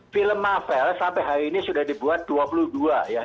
film mavel sampai hari ini sudah dibuat dua puluh dua ya